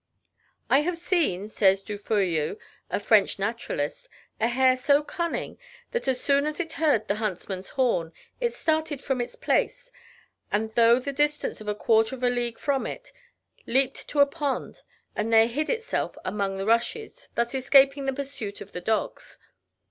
"I have seen," says Du Fouilloux, a French naturalist, "a hare so cunning, that, as soon as it heard the huntsman's horn, it started from its place, and though at the distance of a quarter of a league from it, leaped to a pond, and there hid itself among the rushes, thus escaping the pursuit of the dogs.